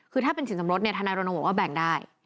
คือถ้าเป็นสินสำรสเนี่ยทนายรณรงค์บอกว่าแบ่งได้